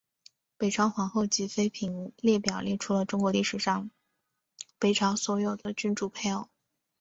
北朝皇后及妃嫔列表列出中国历史上北朝所有的君主配偶。